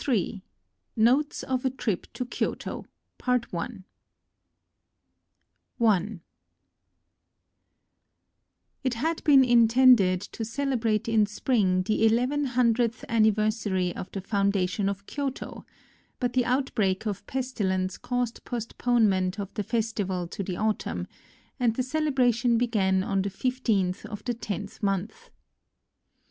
Ill NOTES OF A TRIP TO KYOTO It had been intended to celebrate in spring the eleven hundredth anniversary of the foun dation of Kyoto; but the outbreak of pesti lence caused postponement of the festival to the autumn, and the celebration began on the 15th of the tenth month.